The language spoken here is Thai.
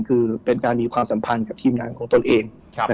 คือเป็นการมีความสัมพันธ์กับทีมงานของตนเอง